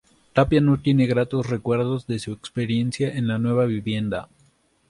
Tapia no tiene gratos recuerdos de su experiencia en la nueva vivienda.